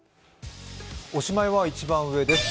おしまいは一番上です。